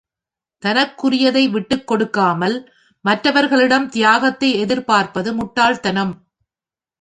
தனக்குரியதை விட்டுக் கொடுக்காமல், மற்றவர்களிடம் தியாகத்தை எதிர்பார்ப்பது முட்டாள் தனம்.